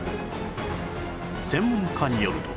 専門家によると